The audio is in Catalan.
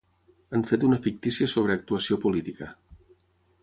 Han fet una fictícia sobreactuació política.